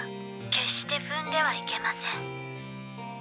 決して踏んではいけません